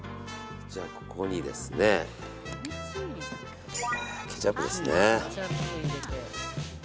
じゃあ、ここにケチャップです。